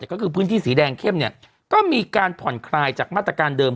ก็คือพื้นที่สีแดงเข้มเนี่ยก็มีการผ่อนคลายจากมาตรการเดิม